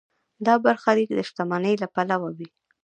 دا برخلیک د شتمنۍ له پلوه وي.